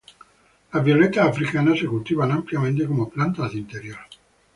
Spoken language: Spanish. Las violetas africanas se cultivan ampliamente como plantas de interior.